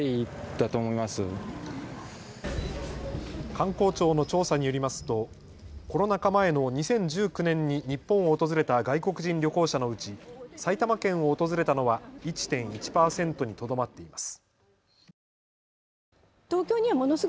観光庁の調査によりますとコロナ禍前の２０１９年に日本を訪れた外国人旅行者のうち埼玉県を訪れたのは１．１％にとどまっています。